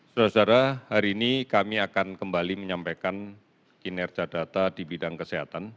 saudara saudara hari ini kami akan kembali menyampaikan kinerja data di bidang kesehatan